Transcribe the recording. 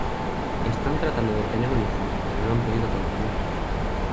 Están tratando de tener un hijo, pero no han podido concebir.